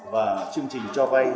và chương trình cho vay